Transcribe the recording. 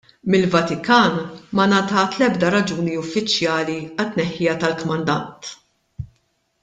Mill-Vatikan ma ngħatat l-ebda raġuni uffiċjali għat-tneħħija tal-kmandant.